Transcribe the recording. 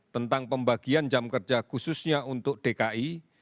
tentang pembagian jam kerja khususnya untuk dki